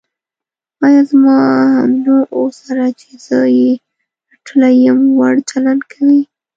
ایا زما همنوعو سره چې زه یې رټلی یم، وړ چلند کوې.